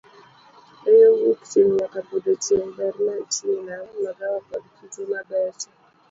Eyo wuok chieng' nyaka podho chieng', ber mar tie nam, magawa koda kite mabecho.